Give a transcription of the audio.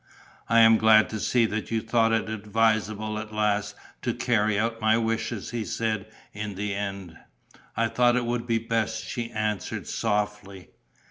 "I am glad to see that you thought it advisable at last to carry out my wishes," he said, in the end. "I thought it would be best," she answered, softly.